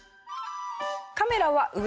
カメラは上。